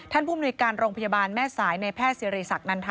ท่านผู้บุญการโรงพยาบาลแม่สายในแพร่เสียรีศักดิ์นั้น